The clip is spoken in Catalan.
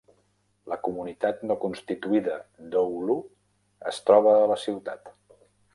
La comunitat no constituïda d'Oulu es troba a la ciutat.